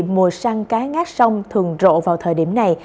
mùa săn cá ngát sông thường rộ vào thời điểm này